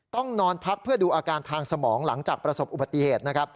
ต้องนอนพักเพื่อดูอาการทางสมองหลังจากประสบอุบัติเหตุนะครับ